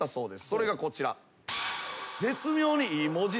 それがこちら。